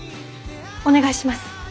お願いします。